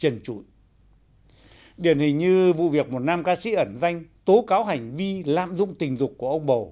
điển hình như vụ việc một nam ca sĩ ẩn danh tố cáo hành vi lạm dụng tình dục của ông bầu